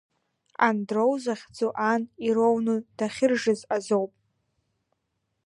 Андроу захьӡу ан ироуны дахьыржыз азоуп.